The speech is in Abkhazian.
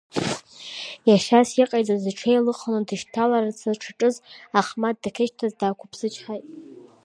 Иашьас иҟаиҵаз иҽеилыхны дышьҭаларацы дшаҿыз ахмаҭ дахьышьҭаз даақәԥсычҳаит.